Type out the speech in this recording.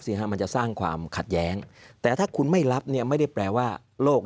มันจะสร้างความขัดแย้งแต่ถ้าคุณไม่รับเนี่ยไม่ได้แปลว่าโลก